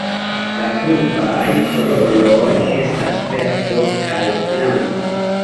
La klubaj koloroj estas verdo kaj blanko.